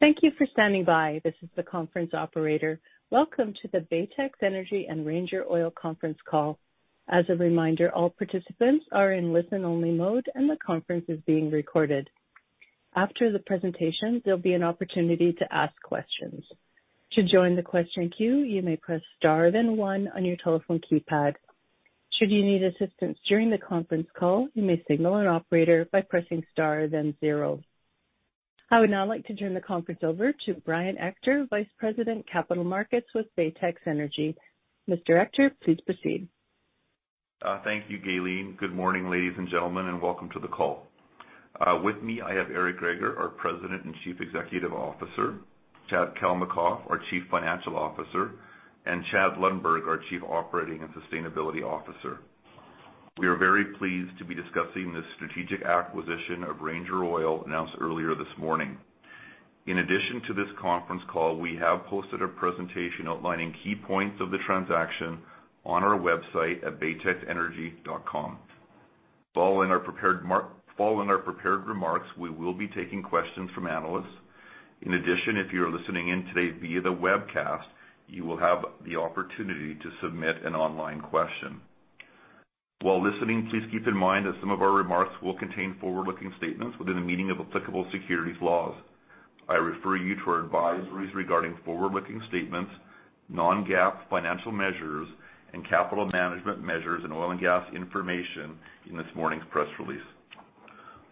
Thank you for standing by. This is the conference operator. Welcome to the Baytex Energy and Ranger Oil conference call. As a reminder, all participants are in listen-only mode, and the conference is being recorded. After the presentation, there'll be an opportunity to ask questions. To join the question queue, you may press star, then one on your telephone keypad. Should you need assistance during the conference call, you may signal an operator by pressing star, then zero. I would now like to turn the conference over to Brian Ector, Vice President, Capital Markets with Baytex Energy. Mr. Ector, please proceed. Thank you, Geline. Good morning, ladies and gentlemen, and welcome to the call. With me, I have Eric Greager, our President and Chief Executive Officer, Chad Kalmakoff, our Chief Financial Officer, and Chad Lundberg, our Chief Operating and Sustainability Officer. We are very pleased to be discussing the strategic acquisition of Ranger Oil announced earlier this morning. In addition to this conference call, we have posted a presentation outlining key points of the transaction on our website at baytexenergy.com. Following our prepared remarks, we will be taking questions from analysts. If you are listening in today via the webcast, you will have the opportunity to submit an online question. While listening, please keep in mind that some of our remarks will contain forward-looking statements within the meaning of applicable securities laws. I refer you to our advisories regarding forward-looking statements, non-GAAP financial measures, and capital management measures in oil and gas information in this morning's press release.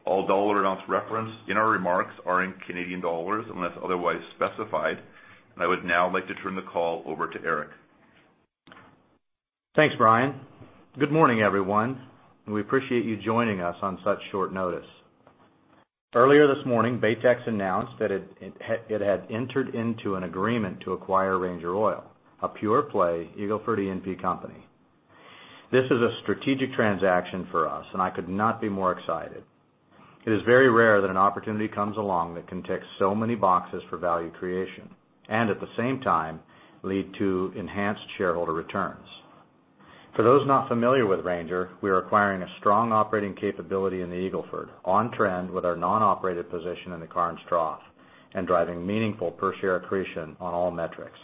All dollar amounts referenced in our remarks are in Canadian dollars unless otherwise specified. I would now like to turn the call over to Eric. Thanks, Brian. Good morning, everyone. We appreciate you joining us on such short notice. Earlier this morning, Baytex announced that it had entered into an agreement to acquire Ranger Oil, a pure-play Eagle Ford E&P company. This is a strategic transaction for us. I could not be more excited. It is very rare that an opportunity comes along that can tick so many boxes for value creation and at the same time lead to enhanced shareholder returns. For those not familiar with Ranger, we are acquiring a strong operating capability in the Eagle Ford, on trend with our non-operated position in the Karnes Trough and driving meaningful per share accretion on all metrics.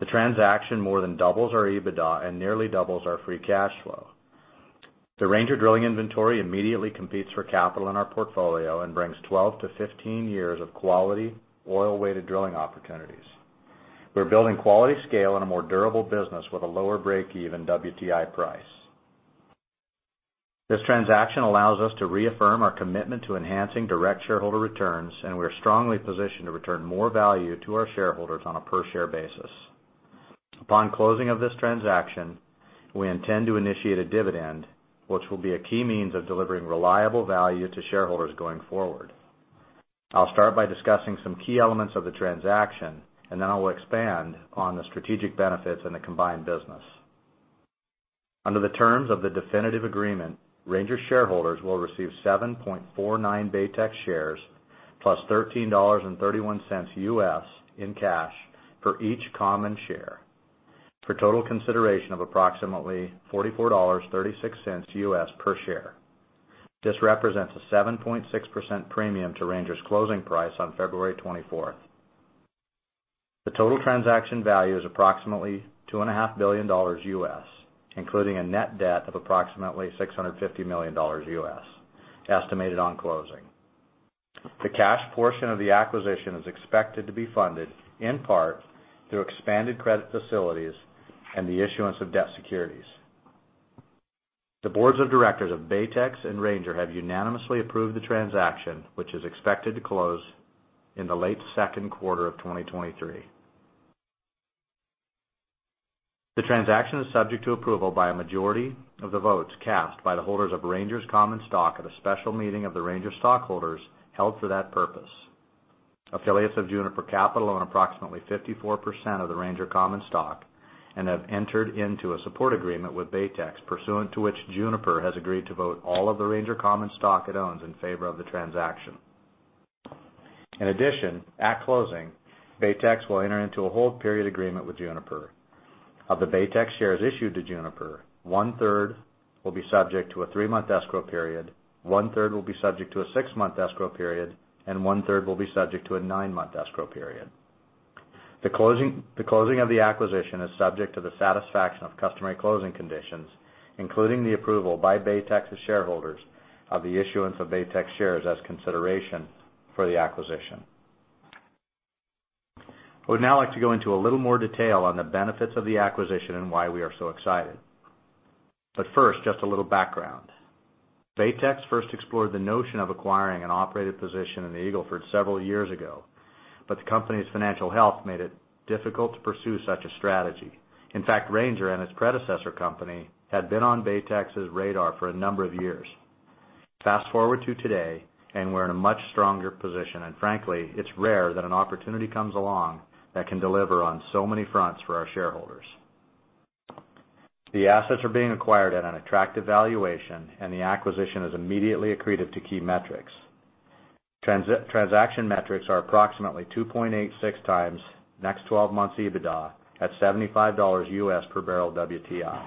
The transaction more than doubles our EBITDA and nearly doubles our free cash flow. The Ranger drilling inventory immediately competes for capital in our portfolio and brings 12-15 years of quality oil-weighted drilling opportunities. We're building quality scale and a more durable business with a lower breakeven WTI price. This transaction allows us to reaffirm our commitment to enhancing direct shareholder returns, and we are strongly positioned to return more value to our shareholders on a per-share basis. Upon closing of this transaction, we intend to initiate a dividend, which will be a key means of delivering reliable value to shareholders going forward. I'll start by discussing some key elements of the transaction, and then I will expand on the strategic benefits in the combined business. Under the terms of the definitive agreement, Ranger shareholders will receive 7.49 Baytex shares plus $13.31 in cash for each common share for a total consideration of approximately $44.36 per share. This represents a 7.6% premium to Ranger's closing price on February 24th. The total transaction value is approximately $2.5 billion, including a net debt of approximately $650 million, estimated on closing. The cash portion of the acquisition is expected to be funded in part through expanded credit facilities and the issuance of debt securities. The boards of directors of Baytex and Ranger have unanimously approved the transaction, which is expected to close in the late Q2 of 2023. The transaction is subject to approval by a majority of the votes cast by the holders of Ranger's common stock at a special meeting of the Ranger stockholders held for that purpose. Affiliates of Juniper Capital own approximately 54% of the Ranger common stock and have entered into a support agreement with Baytex, pursuant to which Juniper has agreed to vote all of the Ranger common stock it owns in favor of the transaction. In addition, at closing, Baytex will enter into a hold period agreement with Juniper. Of the Baytex shares issued to Juniper, one-third will be subject to a three-month escrow period, one-third will be subject to a six-month escrow period, and one-third will be subject to a nine-month escrow period. The closing of the acquisition is subject to the satisfaction of customary closing conditions, including the approval by Baytex's shareholders of the issuance of Baytex shares as consideration for the acquisition. I would now like to go into a little more detail on the benefits of the acquisition and why we are so excited. First, just a little background. Baytex first explored the notion of acquiring an operated position in the Eagle Ford several years ago, but the company's financial health made it difficult to pursue such a strategy. In fact, Ranger and its predecessor company had been on Baytex's radar for a number of years. Fast-forward to today, and we're in a much stronger position. Frankly, it's rare that an opportunity comes along that can deliver on so many fronts for our shareholders. The assets are being acquired at an attractive valuation. The acquisition is immediately accretive to key metrics. Transaction metrics are approximately 2.86x next 12 months EBITDA at $75 per barrel WTI.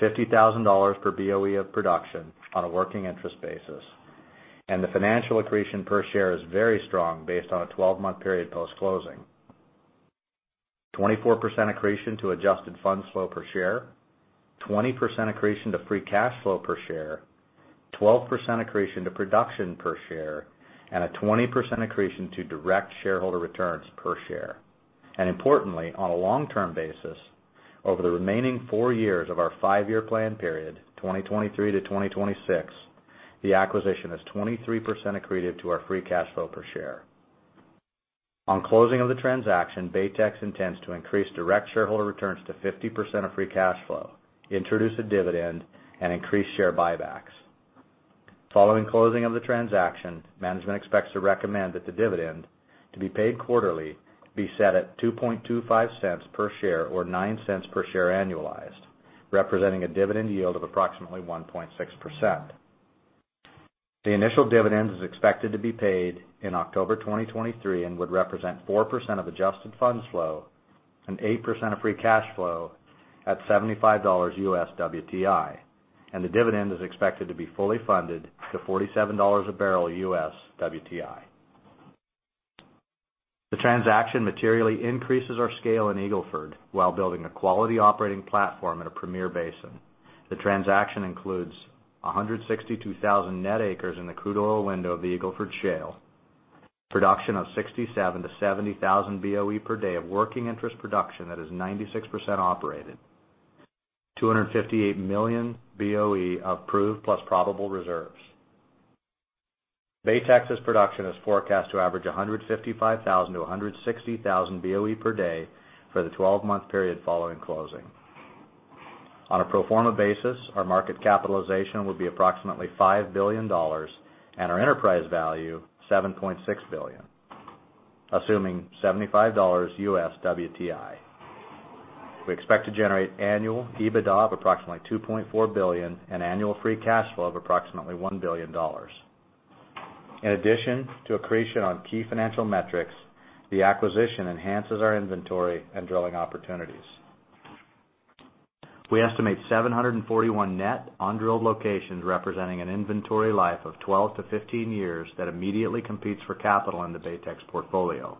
50,000 per BOE of production on a working interest basis. The financial accretion per share is very strong based on a 12-month period post-closing. 24% accretion to adjusted funds flow per share, 20% accretion to free cash flow per share, 12% accretion to production per share, 20% accretion to direct shareholder returns per share. Importantly, on a long-term basis, over the remaining four years of our 5-year plan period, 2023-2026, the acquisition is 23% accretive to our free cash flow per share. On closing of the transaction, Baytex intends to increase direct shareholder returns to 50% of free cash flow, introduce a dividend, and increase share buybacks. Following closing of the transaction, management expects to recommend that the dividend to be paid quarterly be set at 0.0225 per share or 0.09 per share annualized, representing a dividend yield of approximately 1.6%. The initial dividend is expected to be paid in October 2023 and would represent 4% of adjusted funds flow and 8% of free cash flow at $75 WTI. The dividend is expected to be fully funded to $47 a barrel WTI. The transaction materially increases our scale in Eagle Ford while building a quality operating platform in a premier basin. The transaction includes 162,000 net acres in the crude oil window of the Eagle Ford Shale, production of 67,000-70,000 BOE per day of working interest production that is 96% operated, 258 million BOE of proved plus probable reserves. Baytex's production is forecast to average 155,000-160,000 BOE per day for the 12-month period following closing. On a pro forma basis, our market capitalization will be approximately 5 billion dollars and our enterprise value 7.6 billion, assuming $75 WTI. We expect to generate annual EBITDA of approximately 2.4 billion and annual free cash flow of approximately 1 billion dollars. In addition to accretion on key financial metrics, the acquisition enhances our inventory and drilling opportunities. We estimate 741 net undrilled locations representing an inventory life of 12-15 years that immediately competes for capital in the Baytex portfolio.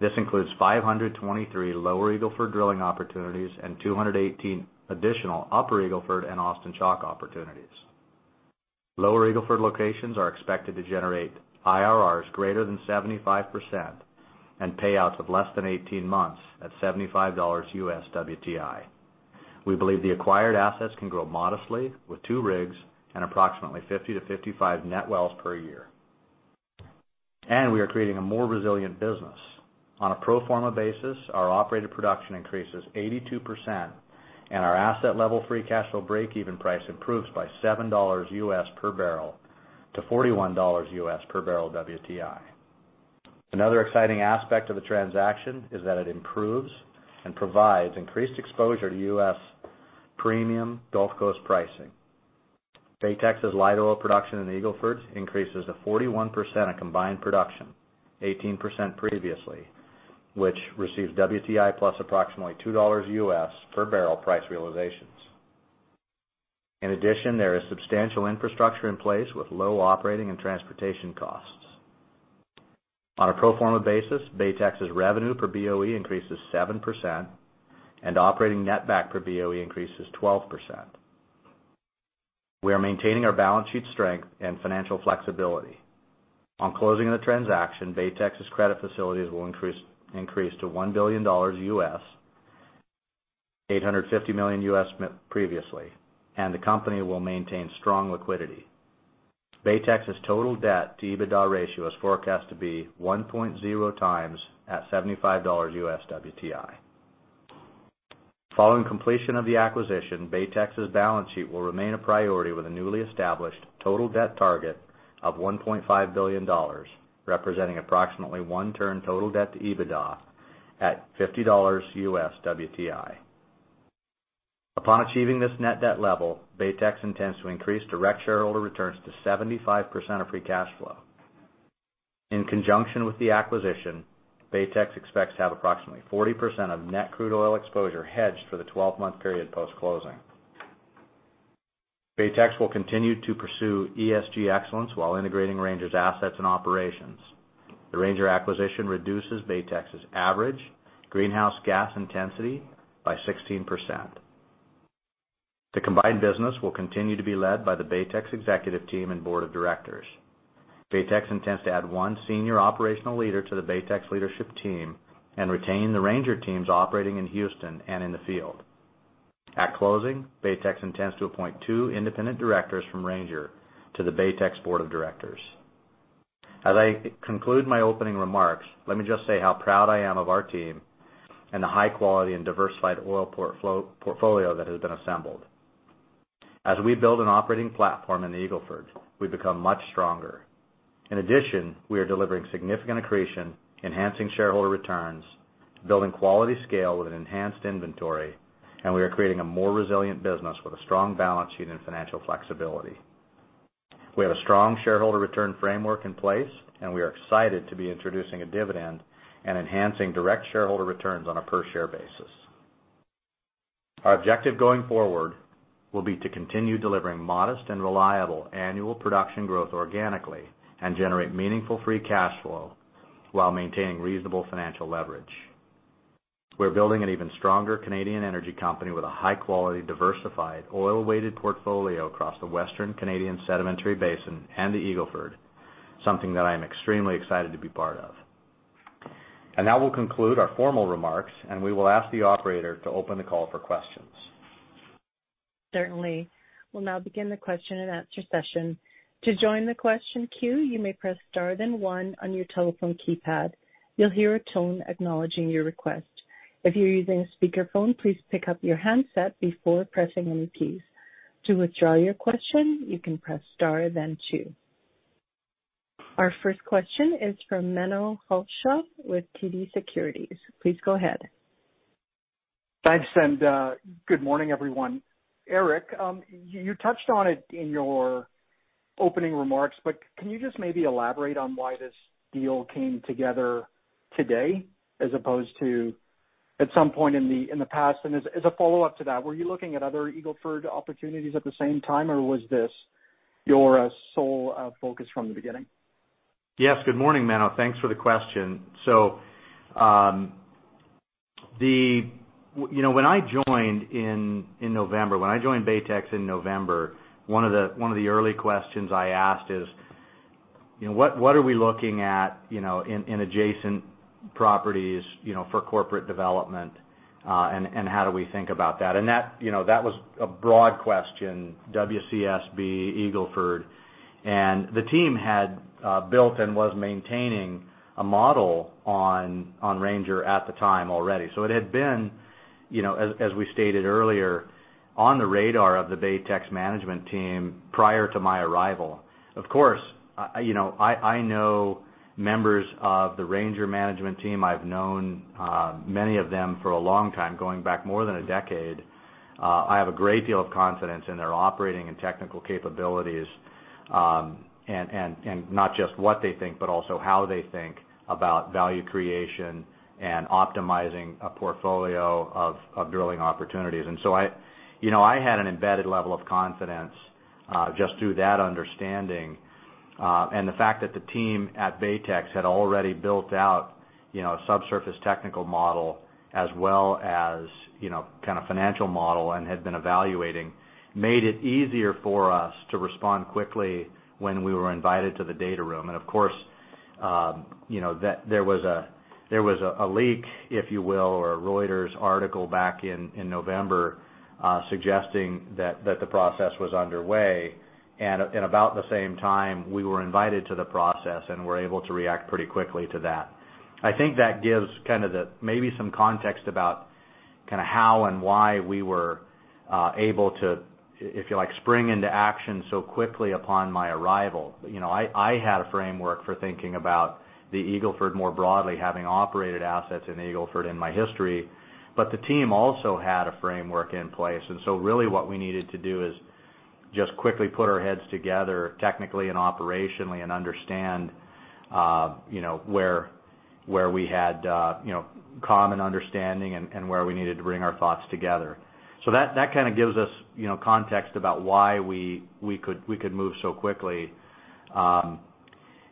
This includes 523 Lower Eagle Ford drilling opportunities and 218 additional Upper Eagle Ford and Austin Chalk opportunities. Lower Eagle Ford locations are expected to generate IRRs greater than 75% and payouts of less than 18 months at $75 WTI. We believe the acquired assets can grow modestly with two rigs and approximately 50-55 net wells per year. We are creating a more resilient business. On a pro forma basis, our operated production increases 82% and our asset-level free cash flow break-even price improves by $7 per barrel to $41 per barrel WTI. Another exciting aspect of the transaction is that it improves and provides increased exposure to US premium Gulf Coast pricing. Baytex's light oil production in the Eagle Ford increases to 41% of combined production, 18% previously, which receives WTI plus approximately $2 per barrel price realizations. In addition, there is substantial infrastructure in place with low operating and transportation costs. On a pro forma basis, Baytex's revenue per BOE increases 7% and operating net back per BOE increases 12%. We are maintaining our balance sheet strength and financial flexibility. On closing the transaction, Baytex's credit facilities will increase to $1 billion, $850 million previously, and the company will maintain strong liquidity. Baytex's total debt-to-EBITDA ratio is forecast to be 1.0x at $75 WTI. Following completion of the acquisition, Baytex's balance sheet will remain a priority with a newly established total debt target of 1.5 billion dollars, representing approximately one turn total debt-to-EBITDA at $50 WTI. Upon achieving this net debt level, Baytex intends to increase direct shareholder returns to 75% of free cash flow. In conjunction with the acquisition, Baytex expects to have approximately 40% of net crude oil exposure hedged for the 12-month period post-closing. Baytex will continue to pursue ESG excellence while integrating Ranger's assets and operations. The Ranger acquisition reduces Baytex's average greenhouse gas intensity by 16%. The combined business will continue to be led by the Baytex executive team and board of directors. Baytex intends to add one senior operational leader to the Baytex leadership team and retain the Ranger teams operating in Houston and in the field. At closing, Baytex intends to appoint two independent directors from Ranger to the Baytex board of directors. As I conclude my opening remarks, let me just say how proud I am of our team and the high quality and diversified oil portfolio that has been assembled. As we build an operating platform in the Eagle Ford, we've become much stronger. We are delivering significant accretion, enhancing shareholder returns, building quality scale with an enhanced inventory, and we are creating a more resilient business with a strong balance sheet and financial flexibility. We have a strong shareholder return framework in place, and we are excited to be introducing a dividend and enhancing direct shareholder returns on a per share basis. Our objective going forward will be to continue delivering modest and reliable annual production growth organically and generate meaningful free cash flow while maintaining reasonable financial leverage. We're building an even stronger Canadian energy company with a high-quality, diversified, oil-weighted portfolio across the Western Canadian Sedimentary Basin and the Eagle Ford, something that I am extremely excited to be part of. That will conclude our formal remarks, and we will ask the operator to open the call for questions. Certainly. We'll now begin the question-and-answer session. To join the question queue, you may press star, then one on your telephone keypad. You'll hear a tone acknowledging your request. If you're using a speakerphone, please pick up your handset before pressing any keys. To withdraw your question, you can press star, then two. Our first question is from Menno Hulshof with TD Securities. Please go ahead. Thanks. Good morning, everyone. Eric, you touched on it in your opening remarks, but can you just maybe elaborate on why this deal came together today as opposed to at some point in the, in the past? As a follow-up to that, were you looking at other Eagle Ford opportunities at the same time, or was this your sole focus from the beginning? Yes, good morning, Menno. Thanks for the question. You know, when I joined in November, when I joined Baytex in November, one of the early questions I asked is, you know, what are we looking at, you know, in adjacent properties, you know, for corporate development, and how do we think about that? That, you know, that was a broad question, WCSB, Eagle Ford. The team had built and was maintaining a model on Ranger at the time already. It had been, you know, as we stated earlier, on the radar of the Baytex management team prior to my arrival. Of course, you know, I know members of the Ranger management team. I've known many of them for a long time, going back more than a decade. I have a great deal of confidence in their operating and technical capabilities, and not just what they think, but also how they think about value creation and optimizing a portfolio of drilling opportunities. You know, I had an embedded level of confidence just through that understanding. The fact that the team at Baytex had already built out, you know, a subsurface technical model as well as, you know, kind of financial model and had been evaluating, made it easier for us to respond quickly when we were invited to the data room. Of course, you know, that there was a leak, if you will, or a Reuters article back in November, suggesting that the process was underway. About the same time, we were invited to the process and were able to react pretty quickly to that. I think that gives kind of maybe some context about kind of how and why we were able to, if you like, spring into action so quickly upon my arrival. You know, I had a framework for thinking about the Eagle Ford more broadly, having operated assets in Eagle Ford in my history, but the team also had a framework in place. Really what we needed to do is just quickly put our heads together technically and operationally and understand, you know, where we had, you know, common understanding and where we needed to bring our thoughts together. That kind of gives us, you know, context about why we could move so quickly.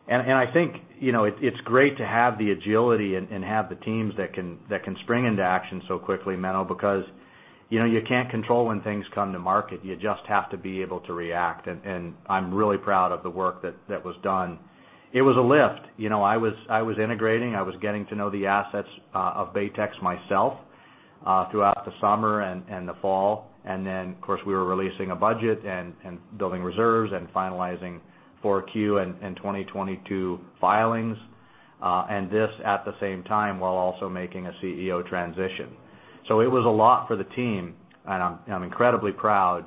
I think, you know, it's great to have the agility and have the teams that can spring into action so quickly, Menno, because, you know, you can't control when things come to market. You just have to be able to react, and I'm really proud of the work that was done. It was a lift. You know, I was integrating. I was getting to know the assets of Baytex myself throughout the summer and the fall. Then, of course, we were releasing a budget and building reserves and finalizing 4Q and 2022 filings, and this at the same time, while also making a CEO transition. It was a lot for the team, and I'm incredibly proud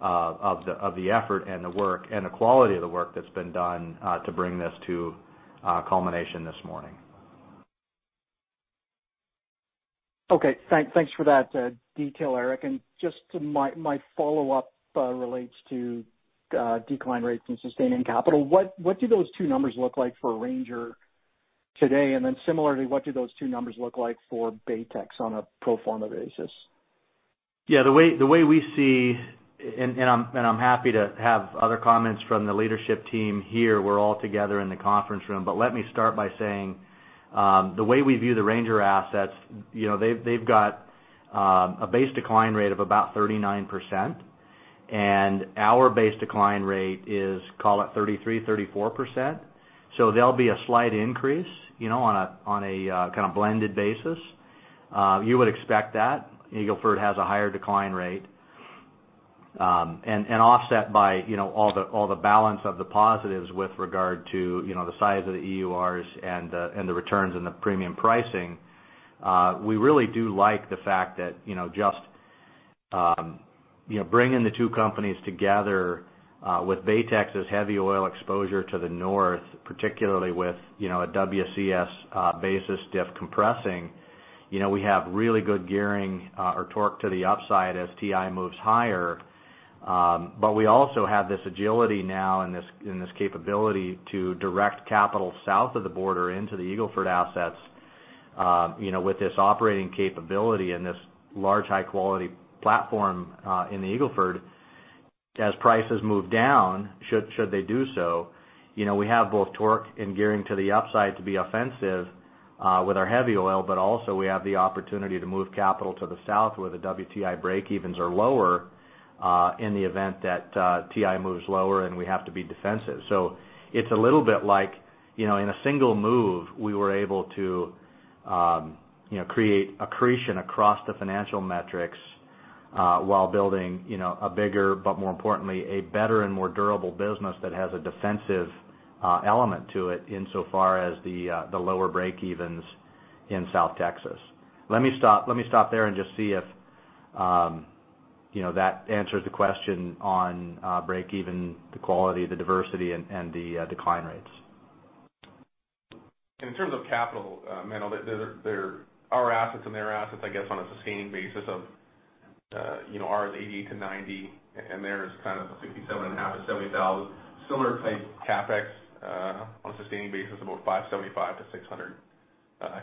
of the effort and the work and the quality of the work that's been done to bring this to culmination this morning. Okay. Thanks for that detail, Eric. Just to my follow-up relates to decline rates and sustaining capital. What do those two numbers look like for Ranger today? Then similarly, what do those two numbers look like for Baytex on a pro forma basis? Yeah. The way we see, and I'm happy to have other comments from the leadership team here. We're all together in the conference room. Let me start by saying, the way we view the Ranger assets, you know, they've got a base decline rate of about 39%, and our base decline rate is, call it 33%, 34%. There'll be a slight increase, you know, on a, on a kind of blended basis. You would expect that. Eagle Ford has a higher decline rate. And offset by, you know, all the balance of the positives with regard to, you know, the size of the EURs and the returns and the premium pricing. We really do like the fact that, you know, just, you know, bringing the two companies together, with Baytex's heavy oil exposure to the north, particularly with, you know, a WCS, basis diff compressing. You know, we have really good gearing, or torque to the upside as WTI moves higher. We also have this agility now and this, and this capability to direct capital south of the border into the Eagle Ford assets, you know, with this operating capability and this large high-quality platform, in the Eagle Ford. As prices move down, should they do so, you know, we have both torque and gearing to the upside to be offensive, with our heavy oil, but also we have the opportunity to move capital to the South where the WTI breakevens are lower, in the event that WTI moves lower, and we have to be defensive. It's a little bit like, you know, in a single move, we were able to, you know, create accretion across the financial metrics, while building, you know, a bigger, but more importantly, a better and more durable business that has a defensive element to it insofar as the lower breakevens in South Texas. Let me stop there and just see if, you know, that answers the question on breakeven, the quality, the diversity, and the decline rates. In terms of capital, Menno, there are assets and their assets, I guess, on a sustaining basis of, you know, ours 80-90, and theirs kind of 67,500-70,000. Similar type CapEx, on a sustaining basis, about 575-600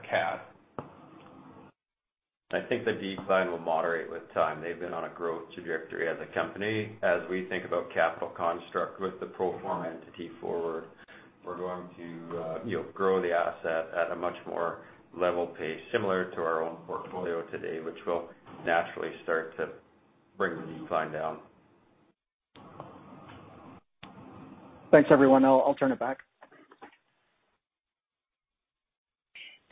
CAD. I think the decline will moderate with time. They've been on a growth trajectory as a company. As we think about capital construct with the pro forma entity forward, we're going to, you know, grow the asset at a much more level pace, similar to our own portfolio today, which will naturally start to bring the decline down. Thanks, everyone. I'll turn it back.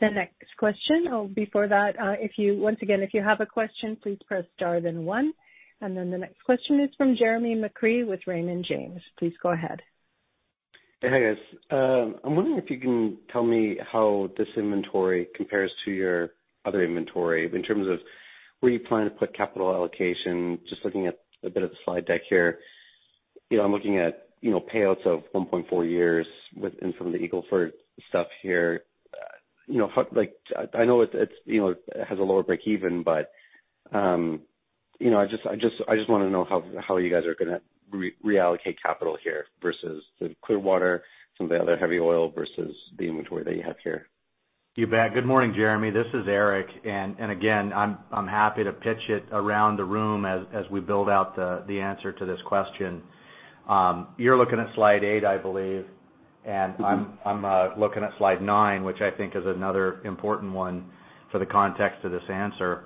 The next question. Before that, once again, if you have a question, please press star then one. The next question is from Jeremy McCrea with Raymond James. Please go ahead. Hey, guys. I'm wondering if you can tell me how this inventory compares to your other inventory in terms of where you plan to put capital allocation, just looking at a bit of the slide deck here. You know, I'm looking at, you know, payouts of 1.4 years in some of the Eagle Ford stuff here. You know, like, I know it's, you know, it has a lower breakeven, but, you know, I just wanna know how you guys are gonna reallocate capital here versus the Clearwater, some of the other heavy oil versus the inventory that you have here. You bet. Good morning, Jeremy. This is Eric. Again, I'm happy to pitch it around the room as we build out the answer to this question. You're looking at slide eight, I believe, I'm looking at slide nine, which I think is another important one for the context of this answer.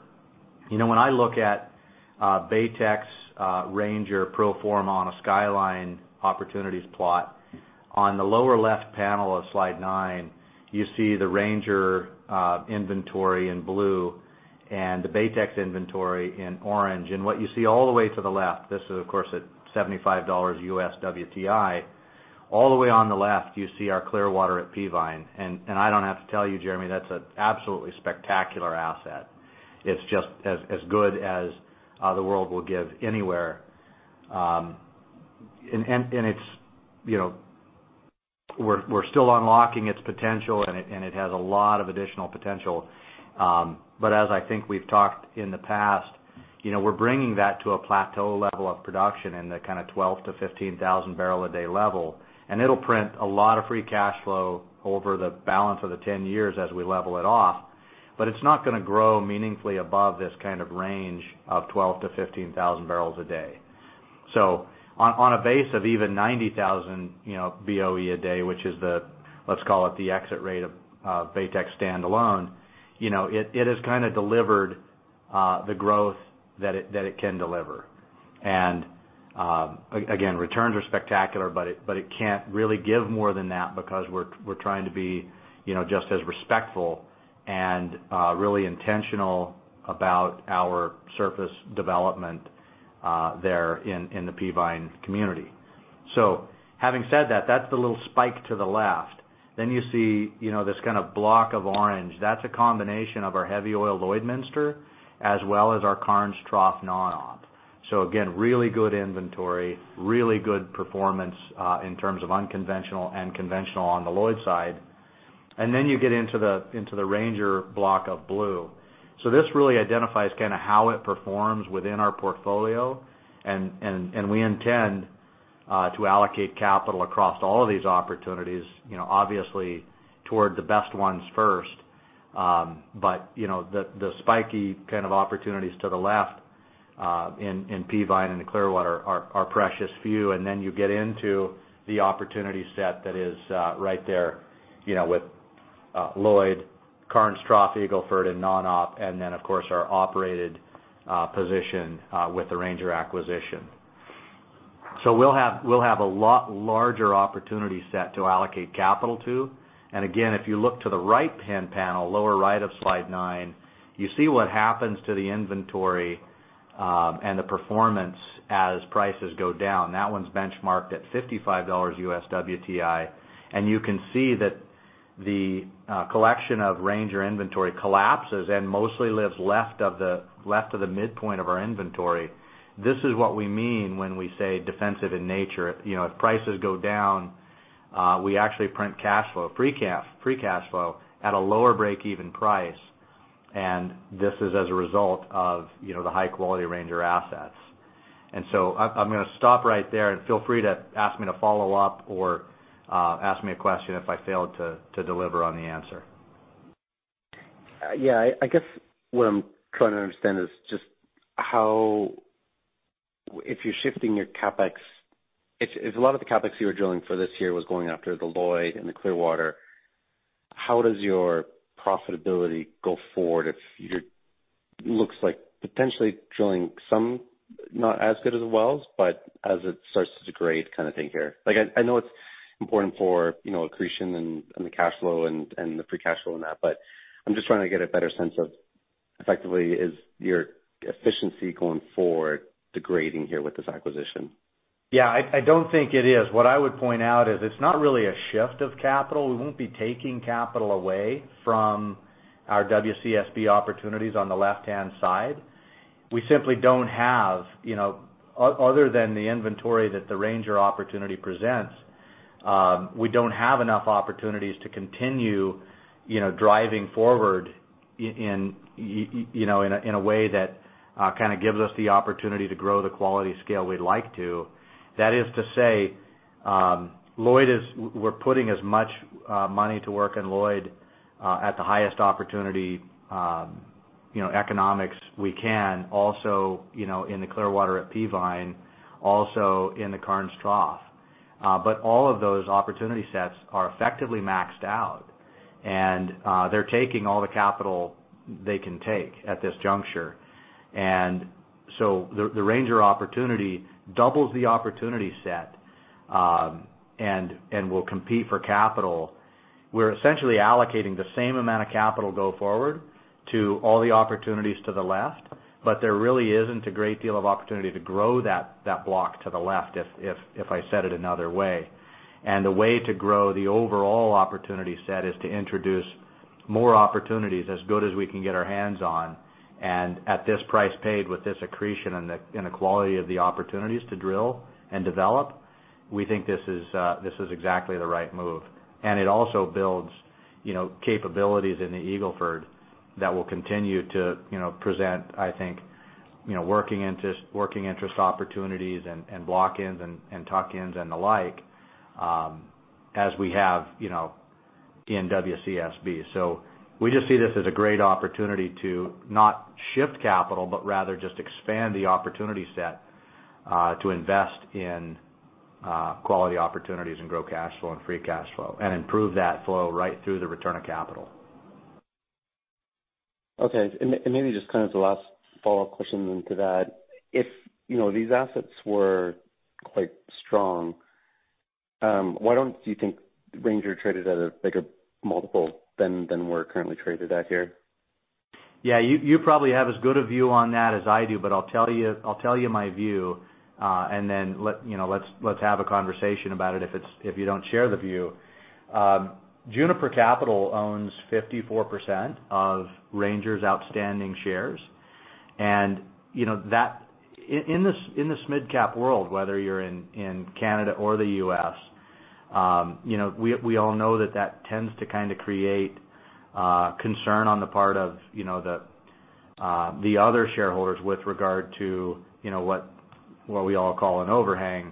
You know, when I look at Baytex, Ranger pro forma on a skyline opportunities plot, on the lower left panel of slide nine, you see the Ranger inventory in blue and the Baytex inventory in orange. What you see all the way to the left, this is, of course, at $75 WTI. All the way on the left, you see our Clearwater at Peavine. I don't have to tell you, Jeremy, that's an absolutely spectacular asset. It's just as good as the world will give anywhere. And it's, you know, we're still unlocking its potential, and it has a lot of additional potential. But as I think we've talked in the past, you know, we're bringing that to a plateau level of production in the kinda 12,000 barrel a day-15,000 barrel a day level. It'll print a lot of free cash flow over the balance of the 10 years as we level it off. It's not gonna grow meaningfully above this kind of range of 12,000 barrels a day-15,000 barrels a day. On, on a base of even 90,000, you know, BOE a day, which is the, let's call it, the exit rate of Baytex standalone, you know, it has kinda delivered the growth that it can deliver. Again, returns are spectacular, but it can't really give more than that because we're trying to be, you know, just as respectful and really intentional about our surface development there in the Peavine community. Having said that's the little spike to the left. You see, you know, this kind of block of orange. That's a combination of our heavy oil Lloydminster as well as our Karnes Trough non-op. Again, really good inventory, really good performance in terms of unconventional and conventional on the Lloyd side. You get into the Ranger block of blue. This really identifies kind of how it performs within our portfolio, and we intend to allocate capital across all of these opportunities, you know, obviously toward the best ones first. You know, the spiky kind of opportunities to the left in Peavine and the Clearwater are precious few. You get into the opportunity set that is right there, you know, with Lloyd, Karnes Trough, Eagle Ford, and non-op, and then, of course, our operated position with the Ranger acquisition. We'll have a lot larger opportunity set to allocate capital to. Again, if you look to the right-hand panel, lower right of slide nine, you see what happens to the inventory and the performance as prices go down. That one's benchmarked at $55 WTI. You can see that the collection of Ranger inventory collapses and mostly lives left of the midpoint of our inventory. This is what we mean when we say defensive in nature. You know, if prices go down. We actually print cash flow, free cash flow at a lower break-even price. This is as a result of, you know, the high-quality Ranger assets. I'm gonna stop right there. Feel free to ask me to follow up or ask me a question if I failed to deliver on the answer. Yeah, I guess what I'm trying to understand is just how if you're shifting your CapEx, if a lot of the CapEx you were drilling for this year was going after the Lloyd and the Clearwater, how does your profitability go forward if you're looks like potentially drilling some not as good as wells, but as it starts to degrade kind of thing here. Like, I know it's important for, you know, accretion and the cash flow and the free cash flow and that, but I'm just trying to get a better sense of effectively is your efficiency going forward degrading here with this acquisition? Yeah. I don't think it is. What I would point out is it's not really a shift of capital. We won't be taking capital away from our WCSB opportunities on the left-hand side. We simply don't have, you know, other than the inventory that the Ranger opportunity presents, we don't have enough opportunities to continue, you know, driving forward in, you know, in a way that kind of gives us the opportunity to grow the quality scale we'd like to. That is to say, Lloyd is, we're putting as much money to work in Lloyd at the highest opportunity, you know, economics we can also, you know, in the Clearwater at Peavine, also in the Karnes Trough. All of those opportunity sets are effectively maxed out, and they're taking all the capital they can take at this juncture. The Ranger opportunity doubles the opportunity set, and will compete for capital. We're essentially allocating the same amount of capital go forward to all the opportunities to the left, but there really isn't a great deal of opportunity to grow that block to the left, if I said it another way. The way to grow the overall opportunity set is to introduce more opportunities as good as we can get our hands on. At this price paid with this accretion and the quality of the opportunities to drill and develop, we think this is exactly the right move. It also builds, you know, capabilities in the Eagle Ford that will continue to, you know, present, I think, you know, working interest opportunities and block-ins and tuck-ins and the like, as we have, you know, in WCSB. We just see this as a great opportunity to not shift capital, but rather just expand the opportunity set, to invest in, quality opportunities and grow cash flow and free cash flow and improve that flow right through the return of capital. Okay. maybe just kind of the last follow-up question into that. If, you know, these assets were quite strong, why don't you think Ranger traded at a bigger multiple than we're currently traded at here? Yeah, you probably have as good a view on that as I do, but I'll tell you, I'll tell you my view, and then let, you know, let's have a conversation about it if it's, if you don't share the view. Juniper Capital owns 54% of Ranger's outstanding shares, and, you know, that in this, in this midcap world, whether you're in Canada or the U.S., you know, we all know that that tends to kinda create concern on the part of, you know, the other shareholders with regard to, you know, what we all call an overhang.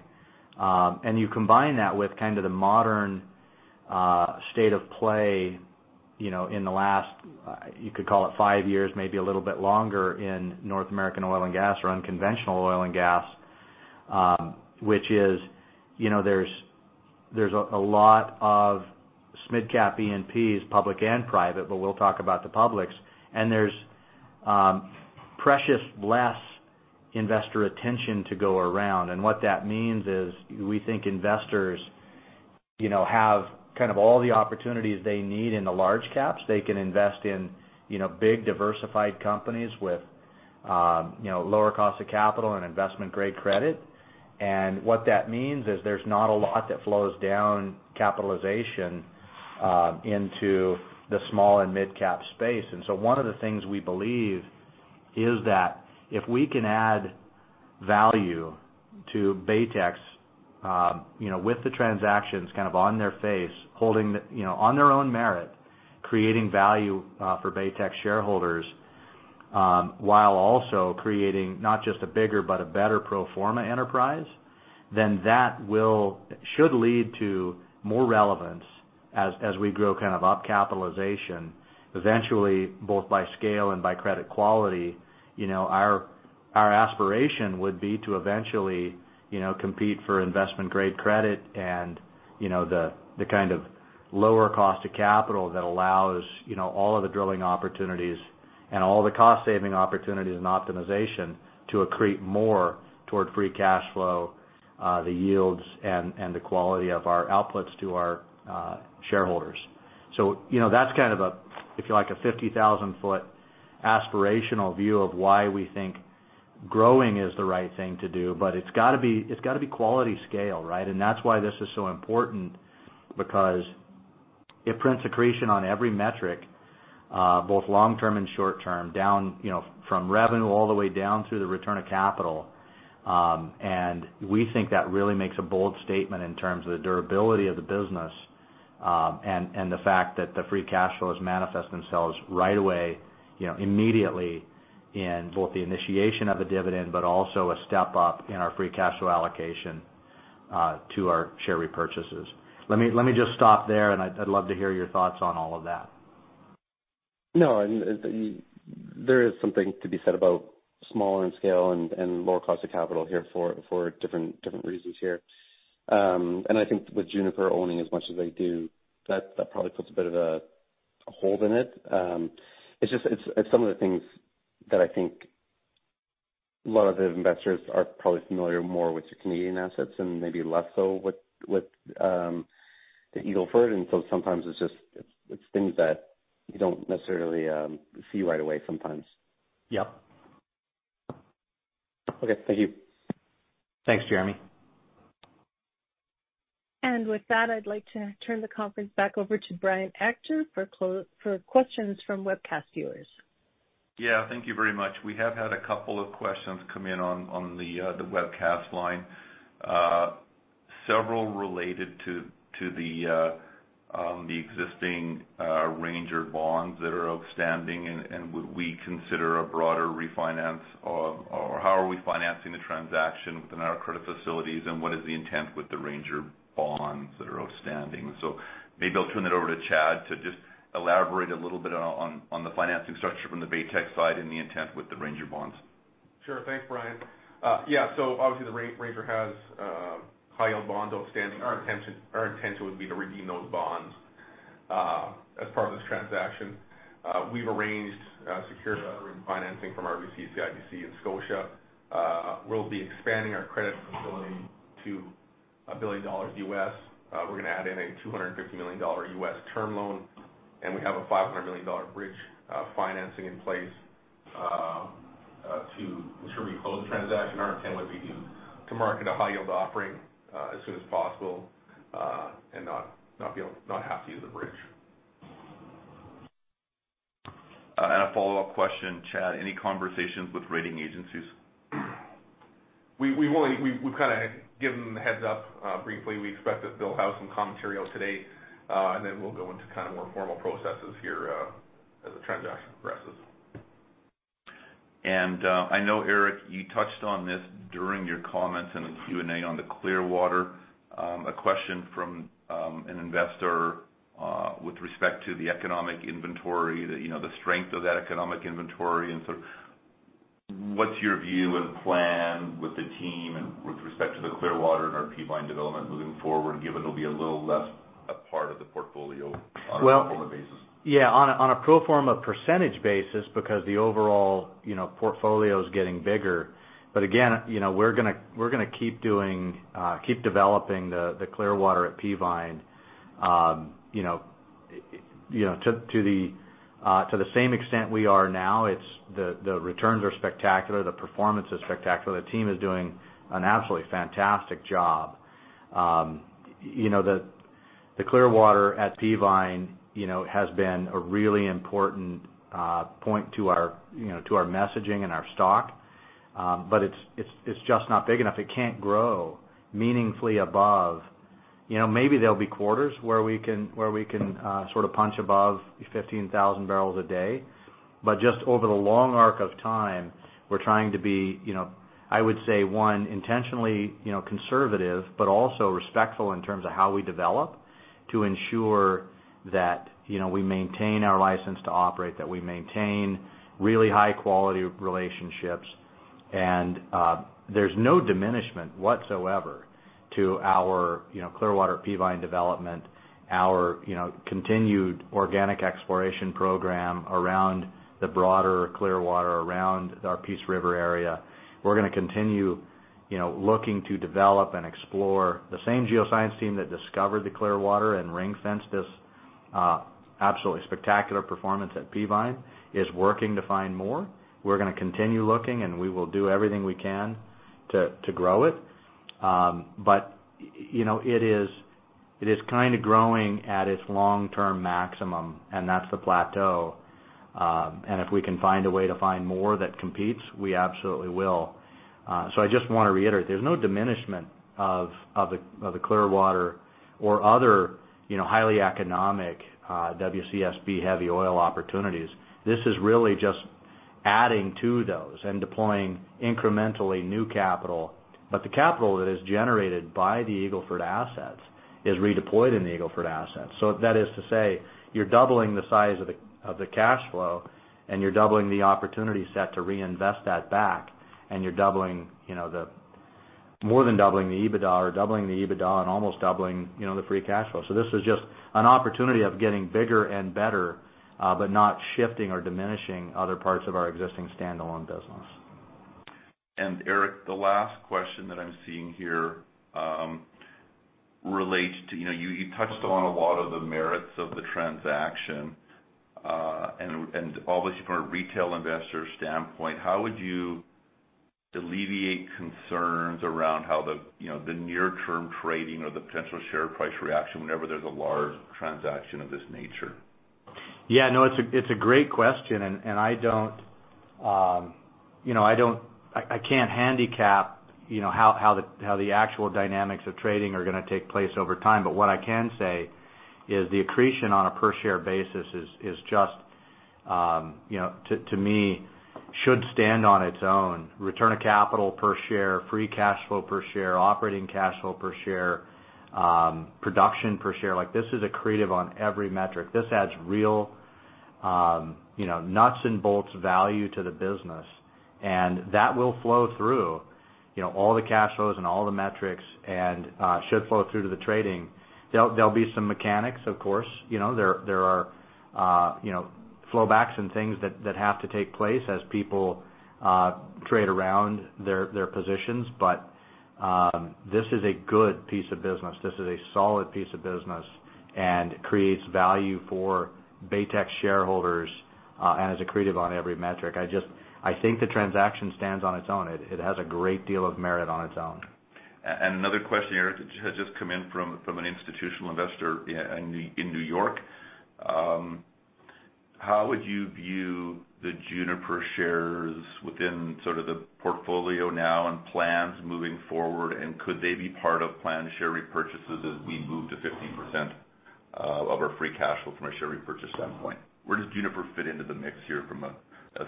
You combine that with kind of the modern state of play, you know, in the last you could call it five years, maybe a little bit longer in North American oil and gas or unconventional oil and gas, which is, you know, there's a lot of midcap E&Ps, public and private, but we'll talk about the publics, and there's precious less investor attention to go around. What that means is we think investors, you know, have kind of all the opportunities they need in the large caps. They can invest in, you know, big, diversified companies with, you know, lower cost of capital and investment-grade credit. What that means is there's not a lot that flows down capitalization into the small and midcap space. One of the things we believe is that if we can add value to Baytex, you know, with the transactions kind of on their face, holding the, you know, on their own merit, creating value for Baytex shareholders, while also creating not just a bigger but a better pro forma enterprise, then should lead to more relevance as we grow kind of up capitalization, eventually both by scale and by credit quality. You know, our aspiration would be to eventually, you know, compete for investment-grade credit and, you know, the kind of lower cost of capital that allows, you know, all of the drilling opportunities and all the cost-saving opportunities and optimization to accrete more toward free cash flow, the yields and the quality of our outputs to our shareholders. you know, that's kind of a, if you like, a 50,000 foot aspirational view of why we think growing is the right thing to do, but it's gotta be, it's gotta be quality scale, right? That's why this is so important. It prints accretion on every metric, both long term and short term, down, you know, from revenue all the way down through the return of capital. And we think that really makes a bold statement in terms of the durability of the business, and the fact that the free cash flows manifest themselves right away, you know, immediately in both the initiation of a dividend but also a step up in our free cash flow allocation to our share repurchases. Let me just stop there, and I'd love to hear your thoughts on all of that. There is something to be said about smaller in scale and lower cost of capital here for different reasons here. I think with Juniper owning as much as they do, that probably puts a bit of a hold in it. It's some of the things that I think a lot of the investors are probably familiar more with your Canadian assets and maybe less so with the Eagle Ford. Sometimes it's things that you don't necessarily see right away sometimes. Yep. Okay. Thank you. Thanks, Jeremy. With that, I'd like to turn the conference back over to Brian Ector for questions from webcast viewers. Thank you very much. We have had a couple of questions come in on the webcast line. Several related to the existing Ranger bonds that are outstanding and would we consider a broader refinance? Or how are we financing the transaction within our credit facilities, and what is the intent with the Ranger bonds that are outstanding? Maybe I'll turn it over to Chad to just elaborate a little bit on the financing structure from the Baytex side and the intent with the Ranger bonds. Sure. Thanks, Brian. Yeah, obviously the Ranger has high-yield bonds outstanding. Our intention would be to redeem those bonds as part of this transaction. We've arranged secured lending financing from RBC, CIBC, and Scotiabank. We'll be expanding our credit facility to $1 billion. We're gonna add in a $250 million term loan, and we have a $500 million bridge financing in place to ensure we close the transaction. Our intent would be to market a high-yield offering as soon as possible and not have to use the bridge. A follow-up question, Chad. Any conversations with rating agencies? We've kinda given them a heads-up briefly. We expect that they'll have some commentary out today, and then we'll go into kind of more formal processes here, as the transaction progresses. I know, Eric, you touched on this during your comments in the Q&A on the Clearwater. A question from an investor with respect to the economic inventory, you know, the strength of that economic inventory and sort of what's your view and plan with the team and with respect to the Clearwater and our Peavine development moving forward, given it'll be a little less a part of the portfolio on a pro forma basis? Well, yeah, on a, on a pro forma percentage basis because the overall, you know, portfolio's getting bigger. Again, you know, we're gonna, we're gonna keep doing, keep developing the Clearwater at Peavine, you know, you know, to the same extent we are now. It's. The returns are spectacular. The performance is spectacular. The team is doing an absolutely fantastic job. You know, the Clearwater at Peavine, you know, has been a really important point to our, you know, to our messaging and our stock, but it's, it's just not big enough. It can't grow meaningfully above. You know, maybe there'll be quarters where we can, where we can, sort of punch above 15,000 barrels a day. Just over the long arc of time, we're trying to be, you know, I would say, one, intentionally, you know, conservative, but also respectful in terms of how we develop to ensure that, you know, we maintain our license to operate, that we maintain really high quality relationships. There's no diminishment whatsoever to our, you know, Clearwater Peavine development, our, you know, continued organic exploration program around the broader Clearwater, around our Peace River area. We're gonna continue, you know, looking to develop and explore. The same geoscience team that discovered the Clearwater and ring-fenced this absolutely spectacular performance at Peavine is working to find more. We're gonna continue looking, and we will do everything we can to grow it. It is, you know, it is kinda growing at its long-term maximum, and that's the plateau. If we can find a way to find more that competes, we absolutely will. I just wanna reiterate, there's no diminishment of the Clearwater or other, you know, highly economic WCSB heavy oil opportunities. This is really just adding to those and deploying incrementally new capital. The capital that is generated by the Eagle Ford assets is redeployed in the Eagle Ford assets. That is to say, you're doubling the size of the cash flow, and you're doubling the opportunity set to reinvest that back, and you're doubling, you know, more than doubling the EBITDA or doubling the EBITDA and almost doubling, you know, the free cash flow. This is just an opportunity of getting bigger and better, but not shifting or diminishing other parts of our existing standalone business. Eric, the last question that I'm seeing here, relates to, you know, you touched on a lot of the merits of the transaction, and obviously from a retail investor standpoint, how would Alleviate concerns around how the, you know, the near term trading or the potential share price reaction whenever there's a large transaction of this nature? Yeah, no, it's a great question, and I don't, you know, I can't handicap, you know, how the actual dynamics of trading are gonna take place over time. What I can say is the accretion on a per share basis is just, you know, to me, should stand on its own. Return on capital per share, free cash flow per share, operating cash flow per share, production per share, like this is accretive on every metric. This adds real, you know, nuts and bolts value to the business. That will flow through, you know, all the cash flows and all the metrics and should flow through to the trading. There'll be some mechanics of course, you know. There are, you know, flow backs and things that have to take place as people trade around their positions. This is a good piece of business. This is a solid piece of business and creates value for Baytex shareholders and is accretive on every metric. I think the transaction stands on its own. It has a great deal of merit on its own. Another question here that has just come in from an institutional investor, yeah, in New York. How would you view the Juniper shares within sort of the portfolio now and plans moving forward? Could they be part of planned share repurchases as we move to 15% of our free cash flow from a share repurchase standpoint? Where does Juniper fit into the mix here as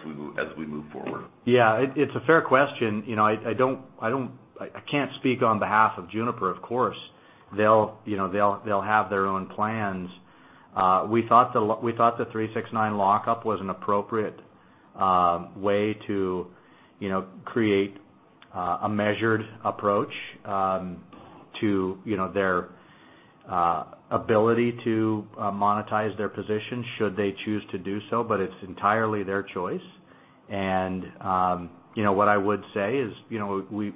we move forward? Yeah. It, it's a fair question. You know, I don't I can't speak on behalf of Juniper, of course. They'll, you know, they'll have their own plans. We thought the, we thought the 3-6-9 lockup was an appropriate way to, you know, create a measured approach to, you know, their ability to monetize their position should they choose to do so, but it's entirely their choice. You know, what I would say is, you know,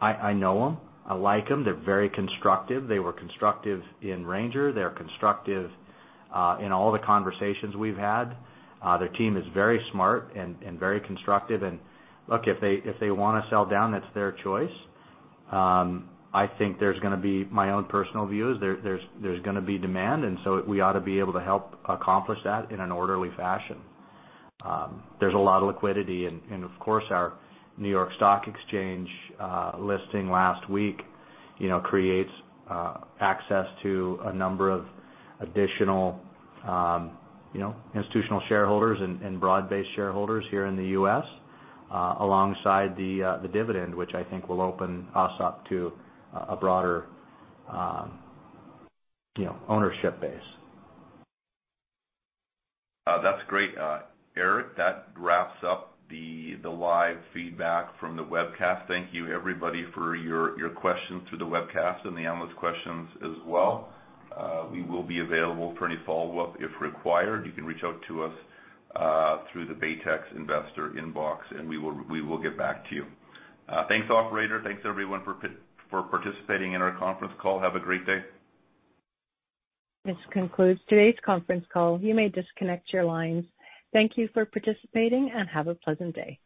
I know them. I like them. They're very constructive. They were constructive in Ranger. They're constructive in all the conversations we've had. Their team is very smart and very constructive. Look, if they wanna sell down, that's their choice. I think there's gonna be my own personal views. There's gonna be demand. We ought to be able to help accomplish that in an orderly fashion. There's a lot of liquidity and, of course, our New York Stock Exchange listing last week, you know, creates access to a number of additional, you know, institutional shareholders and broad-based shareholders here in the U.S., alongside the dividend, which I think will open us up to a broader, you know, ownership base. That's great. Eric, that wraps up the live feedback from the webcast. Thank you everybody for your questions through the webcast and the analyst questions as well. We will be available for any follow-up if required. You can reach out to us through the Baytex investor inbox, and we will get back to you. Thanks, operator. Thanks everyone for participating in our conference call. Have a great day. This concludes today's conference call. You may disconnect your lines. Thank you for participating, and have a pleasant day.